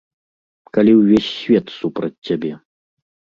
Калі ўвесь свет супраць цябе.